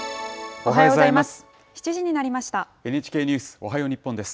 おはようございます。